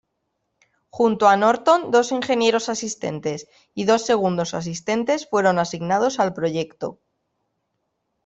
Junto a Norton, dos ingenieros asistentes y dos segundos asistentes fueron asignados al proyecto.